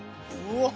うわ！